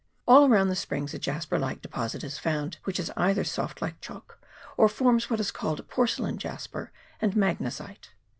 All around the springs a jasper like deposit is found, which is either soft, like chalk, or forms what is called porcelain jasper and magnesite.